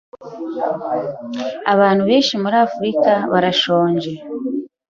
Abantu benshi muri Afrika barashonje.